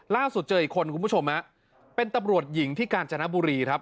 ล่าสุดเจออีกคนคุณผู้ชมฮะเป็นตำรวจหญิงที่กาญจนบุรีครับ